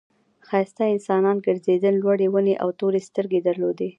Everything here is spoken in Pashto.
ښایسته انسانان گرځېدل لوړې ونې او تورې سترګې درلودې.